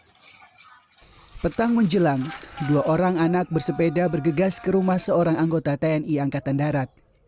pada petang menjelang dua orang anak bersepeda bergegas ke rumah seorang anggota tni angkatan darat